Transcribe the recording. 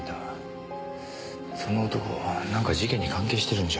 その男なんか事件に関係してるんじゃ。